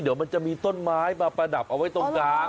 เดี๋ยวมันจะมีต้นไม้มาประดับเอาไว้ตรงกลาง